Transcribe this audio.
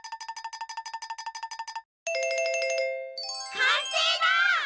かんせいだ！